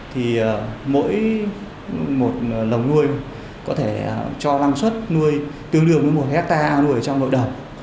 thì mỗi một lồng nuôi có thể cho lăng suất nuôi tương đương với một hectare nuôi trong nội đồng